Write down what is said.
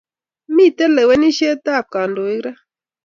Miten lewenisheab kandoik raa